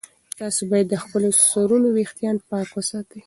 تاسي باید د خپلو سرونو ویښتان پاک وساتئ.